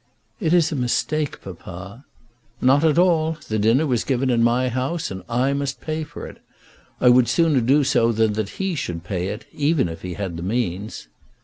"It is a mistake, papa." "Not at all. The dinner was given in my house, and I must pay for it. I would sooner do so than that he should pay it, even if he had the means."